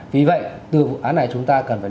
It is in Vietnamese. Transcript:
vì vậy từ vụ án này chúng ta cần phải